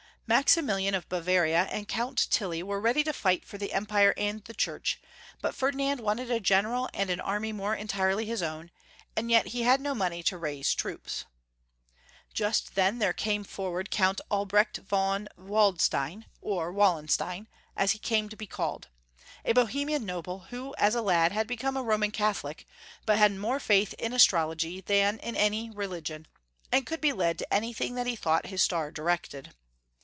Maximilian of Bavaria and Count Tilly were ready to fight for the Empire and the Church, but Ferdinand wanted a general and an army more entirely liis own, and yet he had no money to raise troops. Just then there came forward Count 837 838 Young Folks' History of Germany. Albrecht von Waldstein, or Wallenstein, as he came to be called, a Bohemian noble, who as a lad had become a Roman Catholic, but had more faith in astrology than in any religion, and could be led to anything that he thought his star directed.